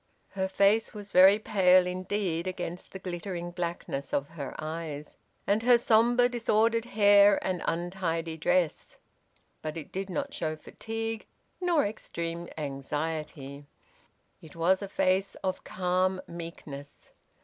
Her face was very pale indeed against the glittering blackness of her eyes, and her sombre disordered hair and untidy dress; but it did not show fatigue nor extreme anxiety; it was a face of calm meekness.